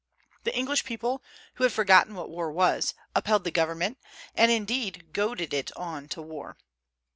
The English people, who had forgotten what war was, upheld the government, and indeed goaded it on to war.